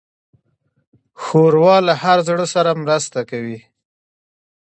ښوروا له هر زړه سره مرسته کوي.